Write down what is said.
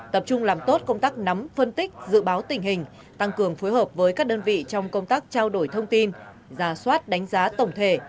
tập trung làm tốt công tác nắm phân tích dự báo tình hình tăng cường phối hợp với các đơn vị trong công tác trao đổi thông tin giả soát đánh giá tổng thể